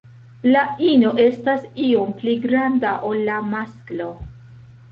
La ino estas iom pli granda ol la masklo.